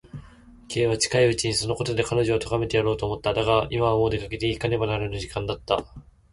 Ｋ は近いうちにそのことで彼女をとがめてやろうと思った。だが、今はもう出かけていかねばならぬ時間だった。